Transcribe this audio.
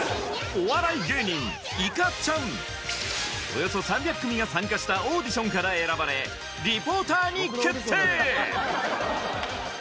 およそ３００組が参加したオーディションから選ばれリポーターに決定